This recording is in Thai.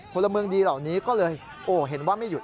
พลเมืองดีเหล่านี้ก็เลยโอ้เห็นว่าไม่หยุ